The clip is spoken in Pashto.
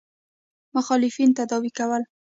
مخالفین تداوي کول.